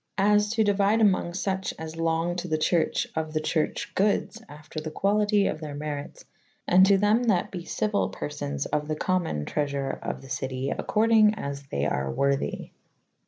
As to deuyde amonges fuche as longe to the churche of the churche goodes after the qualyte of theyr merytes, and to them that be cyuyle^ perfones of the commune tresour of the cyte accordynge as they are worthy.